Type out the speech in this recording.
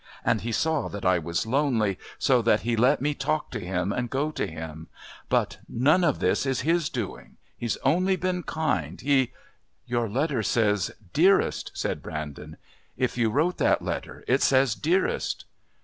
And he saw that I was lonely, so he let me talk to him and go to him but none of this is his doing. He's only been kind. He " "Your letter says 'Dearest'," said Brandon. "If you wrote that letter it says 'Dearest'."